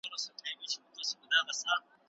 چې بیا راشي مساپر ستوری سپوږمۍ ته!